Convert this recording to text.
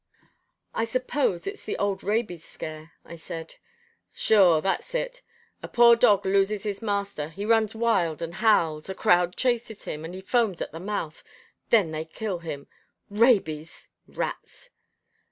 "I suppose it's the old rabies scare," I said. "Sure that's it. A poor dog loses his master. He runs wild and howls. A crowd chases him, and he foams at the mouth. Then they kill him. Rabies! rats!"